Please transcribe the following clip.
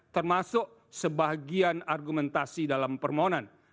termasuk sebagian argumentasi dalam permohonan